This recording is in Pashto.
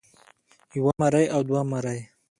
يوه مرۍ او دوه مرۍ